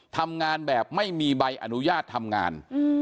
ทำงานแบบไม่มีใบอนุญาตทำงาน